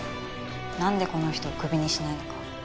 なんでこの人をクビにしないのか。